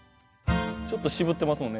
ちょっと渋ってますもんね。